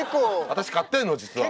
私刈ってるの実は。